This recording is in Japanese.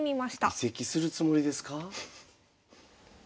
移籍するつもりですか？